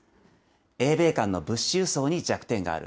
英米間の物資輸送に弱点がある。